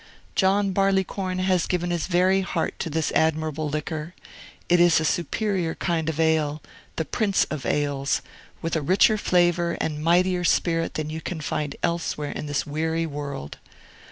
John Barleycorn has given his very heart to this admirable liquor; it is a superior kind of ale, the Prince of Ales, with a richer flavor and a mightier spirit than you can find elsewhere in this weary world.